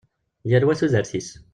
Yal wa tudert-is.